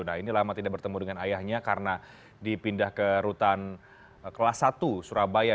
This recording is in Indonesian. nah ini lama tidak bertemu dengan ayahnya karena dipindah ke rutan kelas satu surabaya